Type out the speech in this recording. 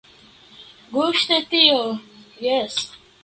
Ĝuste tio, jes!